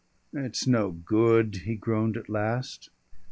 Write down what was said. "It's no good," he groaned at last.